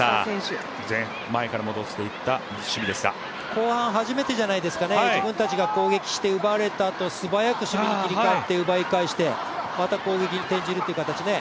後半初めてじゃないですかね、自分たちが攻撃して奪われたあと素早く守備に切り返して奪い返して、また攻撃に転じるという形ね。